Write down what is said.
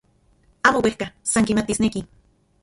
Amo uejka, san kimatisneki.